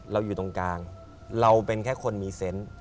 อยู่ตรงกลางเราเป็นแค่คนมีเซนต์